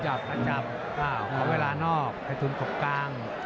ให้ทุนกลบกลาง